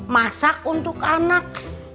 masak untuk anak